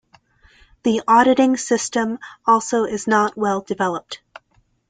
The auditing system also is not well developed.